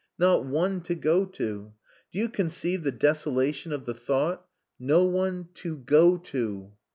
Not one to go to. Do you conceive the desolation of the thought no one to go to?"